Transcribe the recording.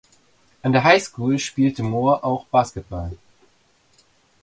An der Highschool spielte Moore auch Basketball.